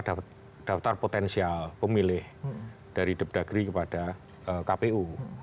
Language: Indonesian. kita dapat daftar potensial pemilih dari dep degri kepada kpu